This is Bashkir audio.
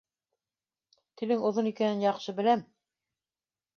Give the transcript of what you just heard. Телең оҙон икәнен яҡшы беләм.